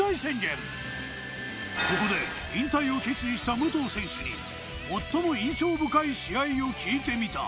ここで引退を決意した武藤選手に最も印象深い試合を聞いてみた。